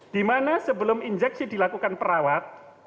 dimana sebelum injeksi dilakukan perawat